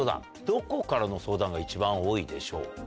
どこからの相談が一番多いでしょうか？